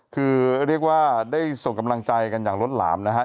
คือเรียกว่าได้ส่งกำลังใจกันอย่างล้นหลามนะฮะ